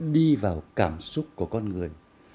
đi vào cảm xúc của con người